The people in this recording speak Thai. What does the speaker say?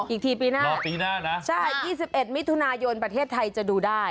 อีกทีปีหน้ารอปีหน้านะใช่๒๑มิถุนายนประเทศไทยจะดูได้